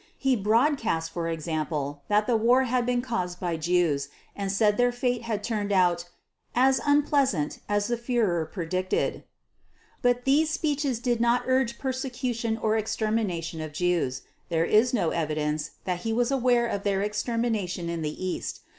He broadcast, for example, that the war had been caused by Jews and said their fate had turned out "as unpleasant as the Führer predicted." But these speeches did not urge persecution or extermination of Jews. There is no evidence that he was aware of their extermination in the East.